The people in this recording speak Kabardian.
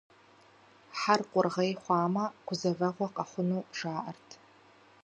Хьэр къугърей хъуамэ, гузэвэгъуэ къэхъуну, жаӀэрт.